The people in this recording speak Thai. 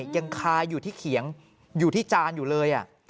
ยังคาอยู่ที่เขียงอยู่ที่จานอยู่เลย